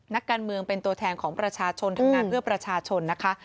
นักการเมืองเป็นตัวแทนของประชาชนทำงานเพื่อประชาชนนะคะ